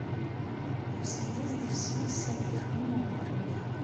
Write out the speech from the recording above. Yusa-as-d fessus ad yefru ugur-nni.